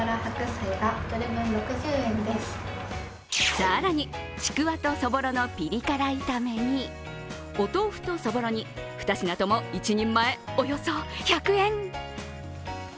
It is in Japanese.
更に、ちくわとそぼろのピリ辛炒めにお豆腐、そぼろ煮、２品とも１人前およそ１００円。